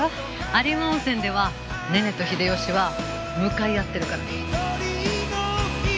有馬温泉ではねねと秀吉は向かい合ってるから。